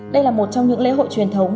đây là một trong những lễ hội truyền thống